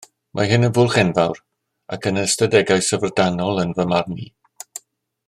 Mae hyn yn fwlch enfawr ac yn ystadegau syfrdanol yn fy marn i